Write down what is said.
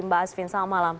mbak asvin selamat malam